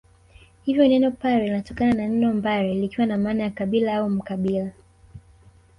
Hivyo neno Pare linatokana na neno mbare likiwa na maana ya kabila au Mkabila